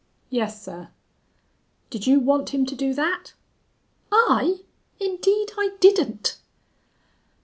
"Yes, sir." "Did you want him to do thet?" "I! Indeed I didn't."